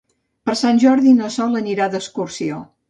Per Sant Jordi na Sol anirà d'excursió.